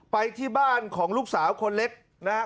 ไปที่บ้านของลูกสาวคนเล็กนะฮะ